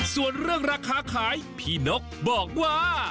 ส่วนเรื่องราคาขายพี่นกบอกว่า